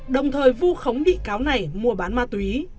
đồng thời vu khống bị cáo này mua bán ma túy